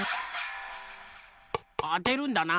あてるんだな。